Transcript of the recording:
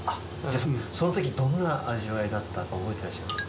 そのとき、どんな味わいだったか覚えてらっしゃいますか？